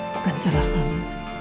bukan salah kamu